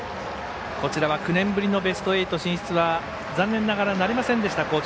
こちらは、９年ぶりのベスト８進出は残念ながらなりませんでした